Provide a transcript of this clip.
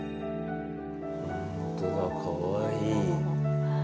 本当だかわいい。